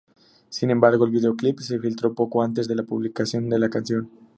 Sin embargo, el videoclip se filtró poco antes de la publicación de la canción.